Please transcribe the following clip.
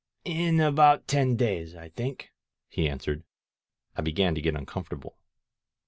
*^In about ten days, I think," he answered. I began to get uncomfortable.